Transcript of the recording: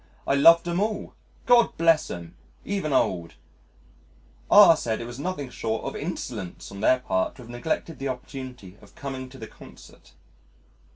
I loved 'em all God bless 'em even old . R said it was nothing short of insolence on their part to have neglected the opportunity of coming to the Concert.